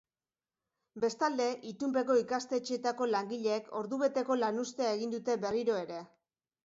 Bestalde, itunpeko ikastetxeetako langileek ordubeteko lanuztea egin dute berriro ere.